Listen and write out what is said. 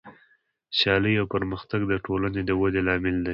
سیالي او پرمختګ د ټولنې د ودې لامل دی.